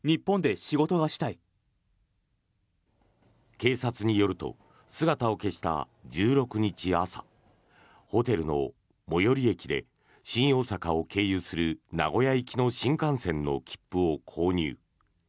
警察によると姿を消した１６日朝ホテルの最寄り駅で新大阪を経由する名古屋行きの新幹線の切符を購入。